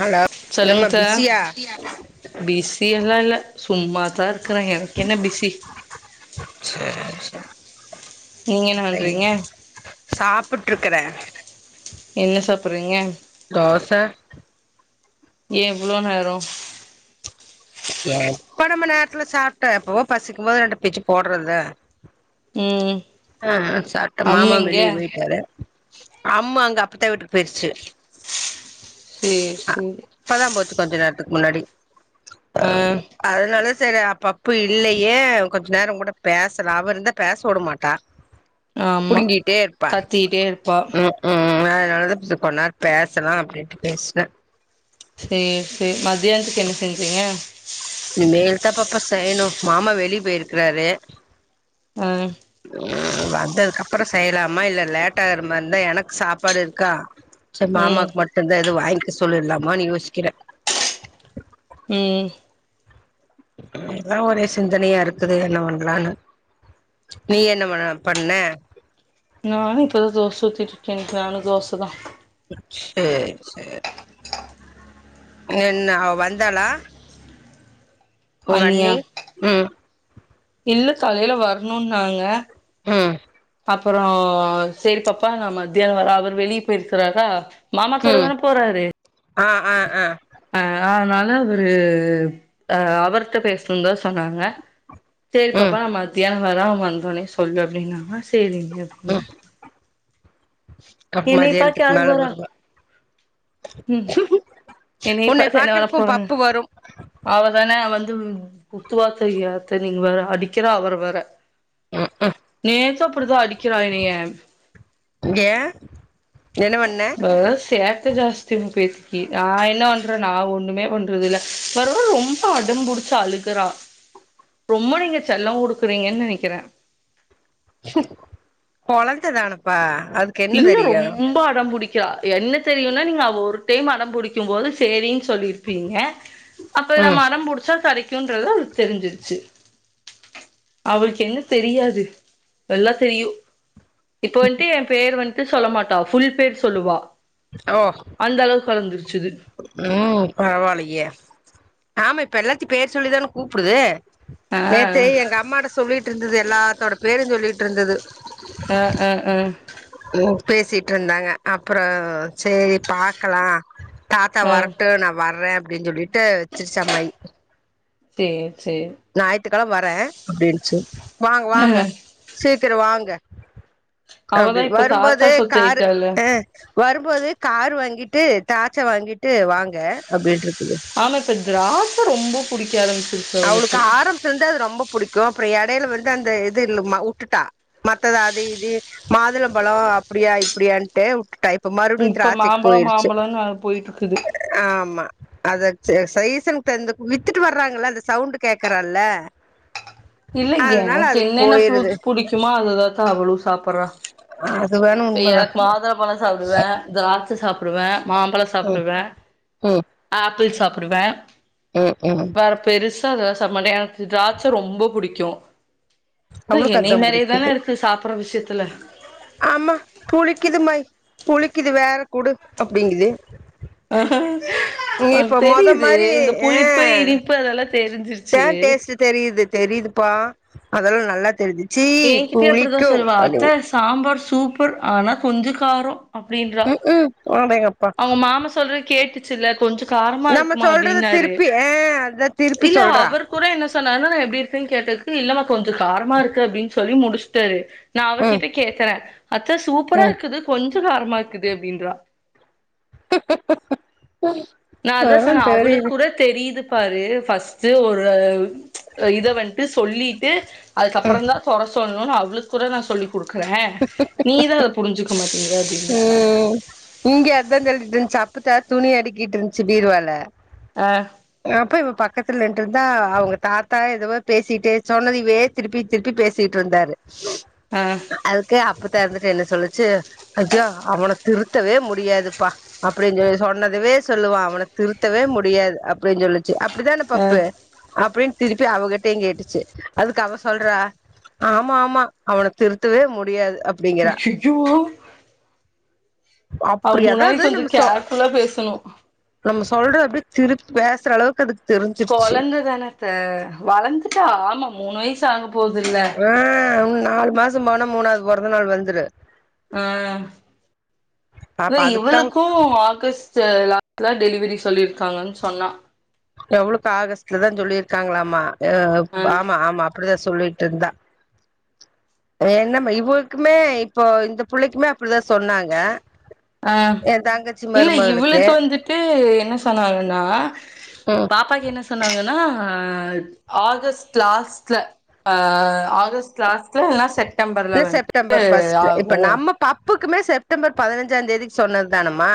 Hello ஏம்மா சொல்லுங்க சா பிஸியா பிசி எல்லா இல்ல சும்மாத் தா இருக்கிறே எனக்கு என்ன பிசி சேர் செர் நீங்கள் என்ன பண்ணுறீங்க [unintelligible] சாப்பிட்ருக்குறே என்ன சாப்பிறீங்க தோச ஏ இவ்ளோ நேரோ எப்ப நம்ம நேரத்துல சாப்ட்டோ எப்பவோ பசிக்கும் போது ரெண்டு பிச்சு போட்றத்தா ம் அ அ சாப்ட்டோ மாமாவு அம்மிங்க வெளிய போய்ட்டாரு அம்மா அங்க அப்பத்தா வீட்டுக்கு போயிருச்சு சேரி சேரி அப்பதா போச்சு கொஞ்ச நேரத்துக்கு முன்னாடி ஆ அதனால சேரி அ பப்பு இல்லயே கொஞ்ச நேர உங் கூட பேசலா அவ இருந்தா பேச விடமாட்டா ஆமாம் புடுங்கிட்டே இருப்பா கத்திக்கிட்டே இருப்பா ம் ம் ம் அதனாலதா கொஞ்ச நேரோ பேசலா அப்டின்ட்டு பேசுன சேர் சேர் மதியானத்துக்கு என்ன செஞ்சீங்க இனி மேல்தா பாப்பா செய்யணு மாமா வெளிய போயிருக்கறாரு ம் ம் வந்ததுக்கப்ற செய்யலாமா இல்ல லேட் ஆகற மாறி இருந்தா எனக்கு சாப்பாடு இருக்கா சேர் ம் மாமாக்கு மட்டு தா எது வாங்கிக்க சொல்லிடலாமான்னு யோசிக்கிறே ம் அதா ஒரே சிந்தனையா இருக்குது என்ன பண்லானு நீ என்ன [unintelligible] பண்ண நானு இப்பதா தோச ஊத்திட்டு இருக்க இன்னிக்கி நானு தோச தா சேர் சேரி என்ன அவ வந்தாளா உங்க அண்ணி ம் இல்ல காலையில வரணுன்னாங்க ம் அப்றோ சேரி பாப்பா நா மத்தியானோ வர அவரு வெளிய போயிருக்குரறா மாமா ம் கூடதான போறாரு ஆ ஆ ஆ ஆ அதனால அவரு ஆ அவர்ட்ட பேசணுந்தா சொன்னாங்க சேரி ம் பாப்பா நா மத்தியானோ வர வந்தோனே சொல்லு அப்டின்னாங்கா சேரிங்க ஆ அப்டின்னே அப் என்னைய பாக்க மதியானத்துக்கு யாரு மேல வரா வருவா ம் உன்னைய பாக்குறக்கு ஊ பப்பு வரு அவர் தானே வந்து [unintelligible] நீங்க வேற அடிக்கிற அவர வேற ம் நேத்து அப்பிடிதா அடிக்கிறா எனைய ம் ஏ என்ன பண்ண வர வர சேட்ட ஜாஸ்தி உங்க பேத்திக்கி நா என் என்ன பண்ற நா ஒண்ணுமே பண்றதில்ல வர வர ரொம்ப அடம்புடிச்சு அழுகுறா ரொம்ப நீங்க செல்லோ குடுக்குறீங்கன்னு நெனைக்கிறே கொழந்ததானப்பா அது இல்ல ரொம்ப அடம் புடிக்கிறா என்ன தெரியுன்னா நீங்க அவ ஒரு டைம் அடம் புடிக்க கும்போது சேரின்னு சொல்லியிருப்பீங்க அப்ப ம் நம்ம அடம் புடிச்சா கெடை க்கிறது அவளுக்கு தெரிஞ்சிருச்சு அவளுக்கு என்ன தெரியாது எல்லா தெரியு இப்ப வந்துட்டு ஏ பேர் வந்துட்டு சொல்லமாட்டா ஃபுல் பேர் சொல்லுவா ஓ அந்த அளவுக்கு வளந்துருச்சு இது ம் பரவாயில்லயே ஆமா இப்ப எல்லாத்தையு பேர் சொல்லிதான கூப்பிடுது ஆ நேத்து எங்க அம்மாட்ட சொல்லிட்டு இருந்தது எல்லாத்தோட பேரு சொல்லிட்டு இருந்தது ஆ ஆ ஆ ம் பேசிட்டு இருந்தாங்க அப்றோ சேரி பாக்கலா தாத்தா ஆ ஆ வரட்டு நா வர்றே அப்டின்னு சொல்லிட்டு வெச்சிருச்சு அம்மாயி ச்சேர் சேரி ஞாயி்த்துக்கிழம வரேன் அப்படின்ச்சு வாங்க வாங்க சீக்கிரம் வாங்க அவதா அப்டி இப்ப தாத்தா வரும்போது காரு சொத்தாயிட்டால அங் வரும்போது கார் வாங்கிட்டு டார்ச்ச வாங்கிட்டு வாங்க அப்படின்ட்டு இருக்குது ஆமா இப்போ திராச்ச ரொம்ப புடிக்க ஆரம்பச்சிருச்சு அவளுக்கு ஆரம்பத்து இருந்து அது ரொம்ப புடிக்கும் அப்புறம் இடையில வந்து அந்த இது இல்லமா வுட்டுட்டா மத்ததா அது இது மாதுளம்பழம் அப்படியா இப்படியான்ட்டே உட்டுட்டா இப்ப மறுபடியு இப்ப திராச்சைக்கு மாம்பழோ போயிருச்சு மாம்பழோன்னு அது போயிட்ருக்குது ஆமா அத ச் சைசன்டருந்து வித்துட்டு வர்றாங்கள அந்த சவ்ண்டு கேக்றால்ல இல்லேங்க எனக்கு என்னென்ன போயிருது ஃப்ரூட்ஸ் புடிக்குமோ அதுதா தா அவளு சாப்பட்றா அது வேனு இப்ப எனக்கு மாதுள பழோ சாப்டுவே திராட்ச சாப்டுவே மாம்பழோ ம் சாப்டுவே ம் அ ப்பிள் சாப்டுவே ம் ம் வேர பெருசா எதாது சாப்பிடமாட்டேன் எனக்கு த்ராச்ச ரொம்ப புடிக்கும் அது அவளுக்கு என்னே அதா மாரியேதான புடிக்குது இருக்கு சாப்பற விஷயத்துல ஆமா புளிக்குது மை புளிக்குது வேற குடு அப்டிங்கிது அஹ் ஹ ஆ மொத தெரியுது மாரி இந்த புளிப்பு ஆ இனிப்பு அதெல்லா தா தெரிஞ்சிருச்சு டேஸ்ட் தெரியுது தெரியுதுப்பா அதெல்லா நல்லா தெரிஞ்சுச்சீ என்கிட்டயே அப்படிதா புளிக்கூ சொல்லுவா அத்த அப்டின் சாம்பார் சூப்பர் ஆனா கொஞ்சோ காரோ அப்டின்றா ம் ம் அடேங்கப்பா அவங்க மாம சொல்றது கேட்டுச்சுல்ல கொஞ்சோ காரமா நம்ம இருக்குமா சொல்றத அப்டின்னாரு திருப்பி ஆ அதா திருப்பி இல்ல சொல்றா அவர் குறை என்ன சொன்னாருன்னா நா எப்டி இருக்குன்னு கேட்டதுக்கு இல்லமா கொஞ்சோ காரமா இருக்கு அப்டின் சொல்லி முடுச்ட்டாரு நா ம் அவகிட்ட கேக்கறே அத்த சூப்பரா ம் இருக்குது கொஞ்சோ காரமா இருக்குது அப்டின்றா நா அதா அதெல்லா சொன்னே அவளுக்கு தெரியுது கூட தெரியுது பாரு ஃபஸ்டு ஒரு இத வன்ட்டு சொல்லிட்டு ம் அதுக்கப்றந் தா கொற சொல்ணுன்னு அவளுக்கு கூட நா சொல்லிக்குடுக்குறே [unintelligible] நீதா அத புரிஞ்சிக்க மாட்டேங்கற ம் இங்க அதா சொல்ட்டு இருந்துச்சு அப்பத்தா துணி அடிக்கிட் ருந்துச்சு பீர்வால ஆ அப்ப இவ பக்கத்துல நின்ட்டு இருந்தா அவ்ங்க தாத்தா எதவோ பேசிக்கிட்டே சொன்னதிவே திருப்பி திருப்பி பேசிட்டு இருந்தாரு ஆஹ் அதுக்கு அப்பத்தா இருந்துட்டு என்ன சொல்லுச்சு கொஞ்சோ அவன திருத்தவே முடியாதுப்பா அப்டின் சொல்லி சொன்னதவே சொல்லுவா அவன திருத்தவே முடியாது அப்டின் சொல்லிச் சு அப்டிதான ஆ பப்பு அப்டின் திருப்பி அவகிட்டே கேட்டுச்சு அதுக்கு அவ சொல்றா ஆமா ஆமா அவன திருத்தவே முடியாது அப் அய்யய்யோ அப்டி முன்னாடி அதாது கொஞ்சோ நம்ம சொ கேர்ஃபுல்லா பேசணு நம்ம சொல்றது திருப் பேசற அளவ் அதுக்கு தெரிஞ் கொழந்த தான அத்த வளந்துட்டா ஆமா மூணு வயசு ஆக போதுல்ல ஆ உன்னு நாலு மாசோ போனா மூணாவது பொறந்த நாள் வந்துரு ஆ இவ பாப்பா அதுக்குதா இவளுக்கு ஆகஸ் ட்டு லாஸ்ல டெலிவரி சொல்லியிருக்காங்கனு சொன்னா எவ்ளவுக்கு ஆகஸ்ட்ல தா சொல்லியிருக்காங்களாமா ம் ஆ ஆமா ஆமா அப்டிதா சொல்லிட்ருந்தா என்னமே இவள்குமே இப்போ இந்த புள்ளைக்குமே அப் டிதா சொன்னாங்க ஆ எ தங்கச்சி மருமகளுக்கு ட்டு என்ன சொன்னாங்கனா ம் பாப்பாக்கு என்ன சொன்னாங்கனா ஆகஸ்ட் லாஸ்ட்ல ஆ ஆகஸ் ட் லாஸ்ட்ல இல்ல செப்டம்பர்ல இல்ல வந்துட்டு செப்டம்பர் ஃபர்ஸ்ட்ல இப்ப ஆகு நம்ம பப்புக்குமே செப்டம்பர் பதினஞ்சா தேதிக்கு சொன்னது தானம்மா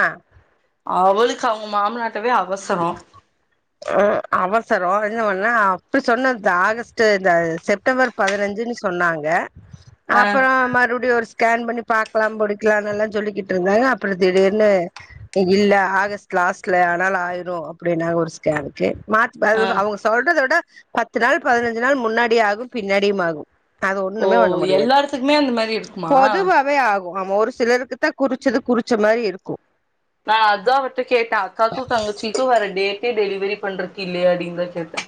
அவளுக்கு அவுங்க மாமனாருக்கமே அவசரோ அ அவசரோ இன்னு ஒன்னு அப்ப சொன்னதா ஆகஸ்ட்டு இந்த செப்டம்பர் பதினஞ்சுனு சொன்னாங்க ஆ அப்பறோ மறுவடியு ஒரு ஸ்கேன் பண்ணி பாக்கலா படிக்கலானு எல்லா சொல்லிக்கிட்டு இருந்தாக அப்புற திடீர்னு இல்ல ஆகஸ்ட் லாஸ்ட்ல ஆனாலு ஆயிரு அப்டினு ஒரு ஸ்கேனுக்கு மார்ச் ஆ பதினொன் அவுங்க சொல்றத விட பத்து நாள் பதினஞ்சு நாள் முன்னாடி ஆகு பின்னாடியும் ஆகும் அது ஓ ஒண்ணுமே பண்ண முடியாது எல்லா எடத்துக்குமே அந்த மாரி இருக்குமா பொதுவாவே ஆகு ஆமா ஒரு சிலருக்கு தா குறிச்சது குறிச்ச மாரி இருக்கு நா அதா அவுர்ட்ட கேட்டே அக்காக்கு தங்கச்சிக்கு வேற டேட்டே டெலிவரி பண்றக்கு இல்லையாடின்தா கேட்டே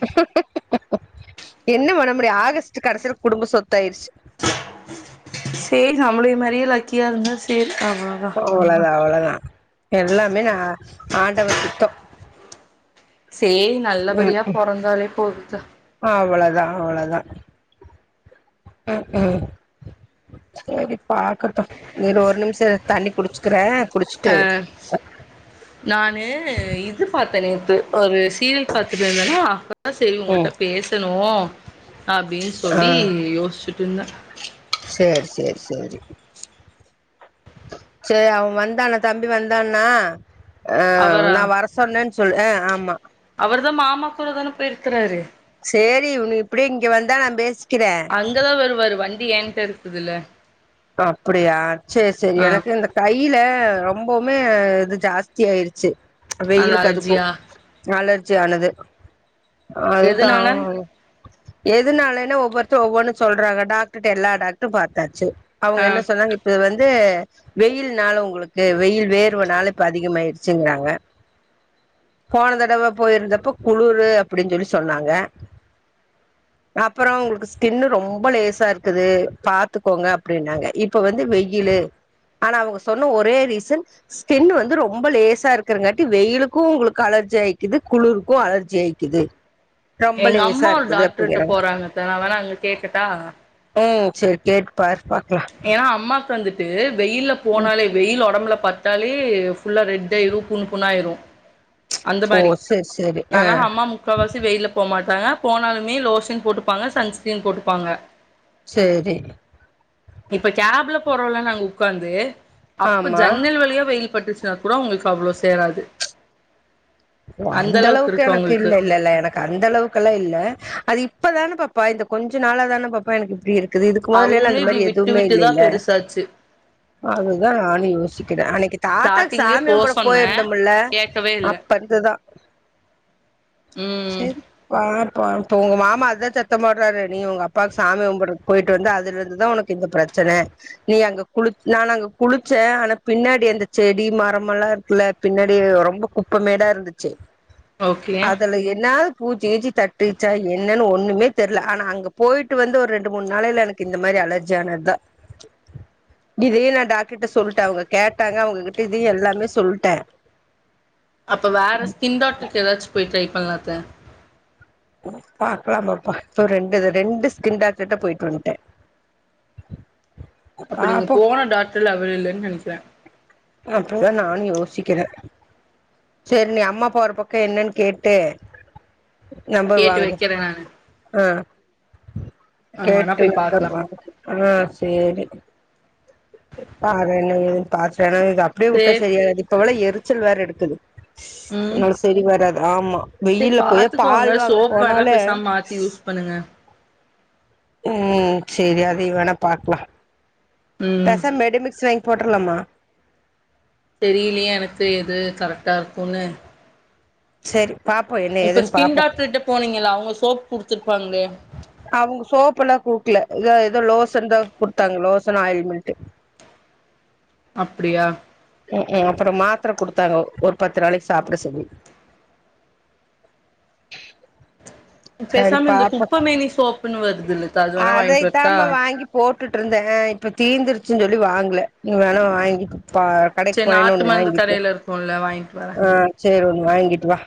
என்ன பண்ண முடியு ஆகஸ்ட் கடைசியில குடும்ப சொத்தா ஆயிருச்சு சேரி சம்மலியு மாரி லக்கியா இருந்தா சேரி அவ அவ்ளதா அவ்ளதா எல்லாமே நா ஆண்டவ சித்தோ சேரி நல்லபடியா பொறந்தாலே போதுத அவ்வளதா அவ்வளதா [unintelligible] சேரி பாக்கட்டு நீ ஒரு நிமிஷ இரு தண்ணி புடிச்சுக்கிறே ஆ நானு இது பாத்தே நேத்து ஒரு சீரியல் பாத்துட்டு இருந்தனா அப்ப செரி உங்கட்ட ம் பேசணு அப்டின் சொல்லி யோசிச்சுட்டு இருந்தே சேர் சேர் சேரி சேரி அவ வந்தானா தம்பி வந்தான்னா ஆ அவரா நா வர சொன்னேன் சொல் அ ஆமா அவர்தா மாமா கூட தானே போயிருக்கறாரு சேரி இவங்க இப்டியே இங்க வந்தா நா பேசிக்கிறே அங்கதா வருவாரு வண்டி ஏகிட்ட இருக்குதுல ஓ அப்பிடியா சேர் சரி ஆ எனக்கு இந்த கையில ரொம்பவுமே இது ஜாஸ்தி ஆயிருச்சு அது வெயிலுக்கு அதுக்கு அலர்ஜியா அலர்சஜி ஆனது அது தா எதுனால எதுனாலன்னா ஒவ்வொருத்தரு ஒவ்வொன்னு சொல்றாங்க டாக்டர்ட எல்லா டாக்டரு பாத்தாச்சு அவுங்க ஆ என்ன சொன்னாங்க இப்ப வந்து வெயில்னால ஒங்களுக்கு வெயில் வேர்வனால இப்ப அதிகமாயிருச்சுங்கிறாங்க போன தடவ போயிருந்தப்ப குளுரு அப்டின் சொல்லி சொன்னாங்க அப்பறோ ஒங்களுக் ஸ்கின் ரொம்ப லேசா இருக்குது பாத்துக்கோங்க அப்டின்னாங்க இப்ப வந்து வெயில்லு ஆனா அவங்க சொன்ன ஒரே ரீசன் ஸ்கின் வந்து ரொம்ப லேசா இருக்கிறங்காட்டி வெயிலுக்கு உங்களுக்கு அலர்ஜி ஆயிக்குது குளிருக்கு அலர்ஜி ஆயிக்குது ரொம்ப எங்க அம்மா லேசா ஒரு இருக்குது டாக்டர்ட்ட அப்டிங்கிறாங்க போறாங்க அத்த நா வேணா அங்க கேக்கட்டா ம் சேரி கேட்டுப்பாரு பாக்கலா ஏனா அம்மாக்கு வந்துட்டு வெயில்ல போனாலே வெயில் ஒடம்புல பட்டாலே ஃபுல்லா ரெட் ஆயிடு புண் புண்ணா ஆயிரு அந்த ஓ மாரி சேரி சேரி ஆ நான்லா அம்மா முக்காவாசி வெயில்ல போ மாட்டாங்க போனாலுமே லோஷன் போட்டுப்பாங்க, சன்ஸ்க்ரீன் போட்டுப்பாங்க, சேரி இப்ப கேப்ல போறோம்லா நாங்க உக்காந்து அப்ப ஆமா ஜன்னல் வழியா வெயில்பட்டுச் சினா கூட அவங்களுக்கு அவ்ளோ சேராது ஓ அந்த அளவுக்கு அந்தளவுக்கு இருக்கு எனக்கு அவங்களுக்கு இல்ல இல்லல்ல எனக் கு அந்தளவுக்கெல்லா இல்ல அது இப்பதான பாப்பா இந்த கொஞ்ச நாளாதான பாப்பா எனக்கு இப்டி இருக் க்குது இதுக்கு மொதல்லைலா அவங்களே அந்த இப்டி மாரி விட்டு எதுவுமே விட்டுதா இல்லைல்ல பெருசாச்சு அதுதா நானு யோசிக்கிறே, அன்னைக்கு தாத்தாக்கு ஸ்டார்டிங்லயே சாமி போ கும்புட சொன்னே போயிருந்தோம்ல கேக்கவே இல்ல அப் ப இருந்துதா ம் சேரி பாப்போ இப்ப உங்க மாமா அதுதா சத்தோ போடுறாரு நீ உங்க அப்பாவுக்கு சாமி கும்புட்றக்கு போயிட்டு வந்து அதுல இருந்துதா உனக்கு இந்த பிரச் சன நீ அங்க குளி நானு அங்க குளிச்சே ஆனா பின்னாடி அந்த செடி மரம் எல்லா இருக்குல்ல பின்னாடி ரொம்ப குப்பமேடா இருந்துச்சு ஓகே அதுல என்ன பூச்சி கீச்சி தட்டிச்சா என்னன்னு ஒன்னுமே தெர்ல ஆனா அங்க போயிட்டு வந்து ஒரு ரெண்டு மூணு நாளைல எனக் கு இந்த மாரி அலர்ஜியானதா இதையே நா டாக்டர் கிட்ட சொல்ட்டே அவங்க கேட்டாங்க அவங்ககிட்ட இதையு எல்லாமே சொல்ட்டே அப்போ வேற ஸ்கின் டாக்டருட்ட ஏதாச்சு போய் ட்ரை பண்லா அத்த ம், பாக்கலா பாப்பா இப்போ ரெண்டு ரெண்டு ஸ்கின் டாக்டர்ட்ட போயிட்டு வந்ட்டே அப்ப நீங்க பாப்போ போன டாக்டர் அவர் இல்லனு நெனக்கிறே அப்டிதா நானு யோசிக்கிறே சேரி நீ அம்மா அப்பா ஒரு பக்கோ என்னன்னு கேட்டு நம்பர் கேட்டு வாங்கு, வைக்கிறே நானு ஆ அங்க வேணா கேட்டு போய் நம்பர் பாக்கலா வாங்கு ஆ சேரி. பாரு என்ன ஏதுன்னு பாரு ஏன்னா இது அப்டியே வுட்டா சேரி சரியாகாது இப்ப வேற எரிச்சல் வேற எடுக்குது ம் ஆ செரி வராது ஆமா சேரி வெயில்ல போயி பால் பாத்துக்கோங்க வாங்க சோப் வேணா போனாலே பேசாம மாத்தி யூஸ் பண்ணுங்க ம் சேரி அதையு வேணா பாக்கலா ம் பேசாம மெடிமிக்ஸ் வாங்கி போட்டுற்லாமா தெரியலியே எனக்கு எது கரெக்டா இருக்குன்னு சேரி பாப்போ என்ன இப்ப எதுன்னு ஸ்கின் பாப்போ டாக்டர்கிட்ட போனீங்கல்ல அவங்க சோப் குடுத்துருப்பாங்களே அவங்க சோப்பு எல்லா குடுக்கல ஏதோ ஏதோ லோசன்தா குடுத்தாங்க லோசன் ஆயில் மென்ட்டு அப்டியா ம் ம் அப்றோ மாத்திர குடுத்தாங்க ஒரு பத்து நாளைக்கு சாப்ட சொல்லி சரி பேசாம இந்த பாப்போ குப்பமேனி சோப்புன்னு வருதுல்லக்கா அது வேணா வாங்கிட்டு வரட்டா அதைத்தாம்மா வாங்கி போட்டுட்டு இருந்தே இப்ப தீந்துருச்சுன் சொல்லி வாங்கல நீ வேணா வாங்கி ப்ப கடைக்கு சேரி போனேனா நாட்டு ஒன்னு மருந்து வாங்கிக்கோ கடையில இருக்குல்ல வாங்கிட்டு வரே ஆ சேரி ஒன்னு வாங்கிட்டு வா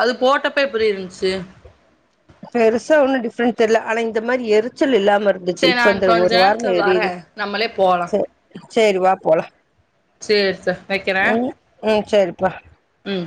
அது போட்டப்ப எப்டி இருந்துச்சு பெருசா ஒன்னு டிஃப்ரெண்ட் தெர்ல ஆனா இந்த மாரி எரிச்சல் இல்லாம இருக் துச்சு சரி இப்ப நான் இந்த கொஞ்ச ஒரு வாரமா நேரத்துல வரே எரியுது நம்மளே போலா ச சேரி வா போலா சேரி சிஸ்டர் வக்கிறே ம் ம் சேரி பா ம்